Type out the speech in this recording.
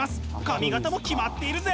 髪形もキマっているぜ！